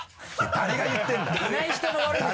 誰が言ってるんだって。